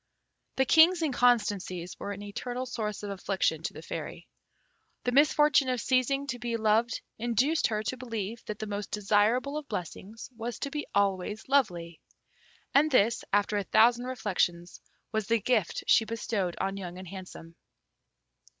The King's inconstancies were an eternal source of affliction to the Fairy. The misfortune of ceasing to be loved induced her to believe that the most desirable of blessings was to be always lovely. And this, after a thousand reflections, was the gift she bestowed on Young and Handsome.